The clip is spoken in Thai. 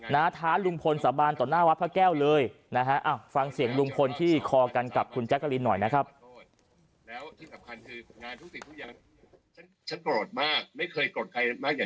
นะฐานลุงผลสาบานต่อหน้าวัพพล่าแก้วเลยนะฮะฟังเสียงลุงฟลที่คอกันกับคุณจังหวัดนครหน่อยนะครับ